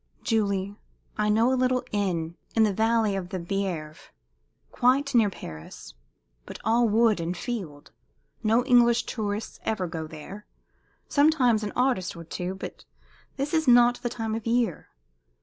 Julie, I know a little inn in the valley of the Bièvre, quite near Paris, but all wood and field. No English tourists ever go there. Sometimes an artist or two but this is not the time of year.